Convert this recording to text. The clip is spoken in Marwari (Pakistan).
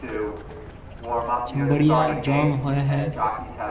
چِينڀريا جوم ھوئيَ ھيََََ